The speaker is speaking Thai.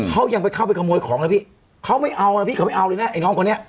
เขายังไปเข้าไปขโมยของเลยพี่เขาไม่เอานะพี่เขาไม่เอาเลยนะไอ้น้องคนนี้